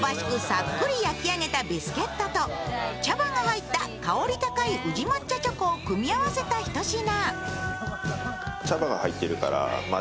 さっくり焼き上げたビスケットと、茶葉が入った香り高い宇治抹茶チョコを組み合わせたひと品。